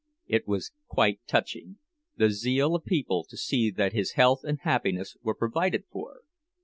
It was quite touching, the zeal of people to see that his health and happiness were provided for.